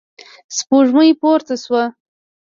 سپوږمۍ پورته شوه.